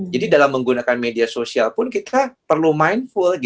jadi dalam menggunakan media sosial pun kita perlu mindful